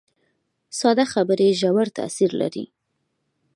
ساده خبرې ژور تاثیر لري